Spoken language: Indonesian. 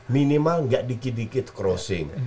minimal nggak dikit dikit crossing